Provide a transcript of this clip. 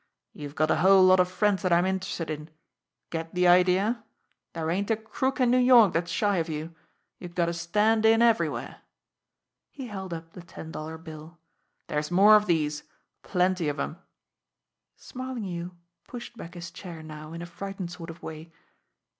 "You've got a whole lot of friends that I'm interested in. Get the idea? There ain't a crook in New York that's shy of you. You got a 'stand in' everywhere." He held up the ten dollar bill. "There's more of these plenty of 'em." Smarlinghue pushed back his chair now in a frightened sort of way.